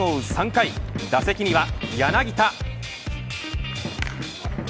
３回打席には柳田。